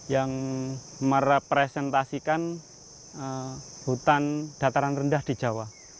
yang merepresentasikan hutan dataran rendah di jawa